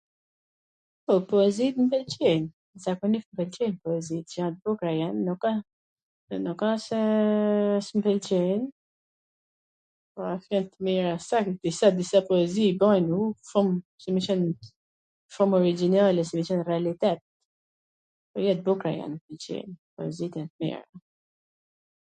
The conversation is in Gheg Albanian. Po, poezit m pwlqejn, zakonisht m pwlqejn poezit, gjana t bukra, nuk ka... nuk ka qw s mw pwlqejn, jan t mira, disa poezi bajn, u, shum si me qen shum origjinale, realitet, jo t bukra jan, poezit jan t mira.